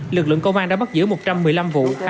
lực lượng công an đã bắt giữ một trăm một mươi năm vụ